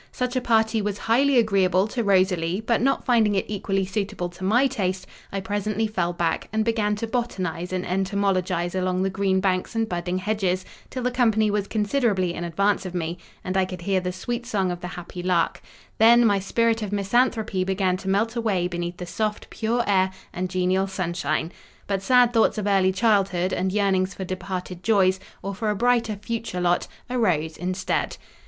Such a party was highly agreeable to Rosalie; but not finding it equally suitable to my taste, I presently fell back, and began to botanise and entomologise along the green banks and budding hedges, till the company was considerably in advance of me, and I could hear the sweet song of the happy lark; then my spirit of misanthropy began to melt away beneath the soft, pure air and genial sunshine; but sad thoughts of early childhood, and yearnings for departed joys, or for a brighter future lot, arose instead.